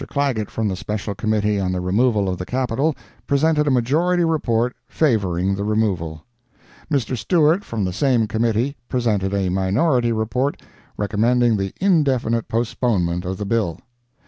Clagett, from the Special Committee on the removal of the capital, presented a majority report favoring the removal. Mr. Stewart, from the same committee, presented a minority report recommending the indefinite postponement of the bill.